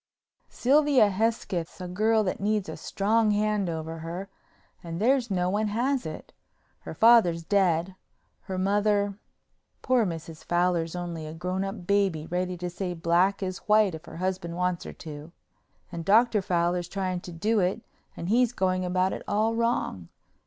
"Sylvia Hesketh's a girl that needs a strong hand over her and there's no one has it. Her father's dead, her mother—poor Mrs. Fowler's only a grown up baby ready to say black is white if her husband wants her to—and Dr. Fowler's trying to do it and he's going about it all wrong.